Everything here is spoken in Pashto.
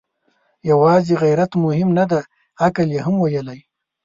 يواځې غيرت مهمه نه ده، عقل يې هم ويلی.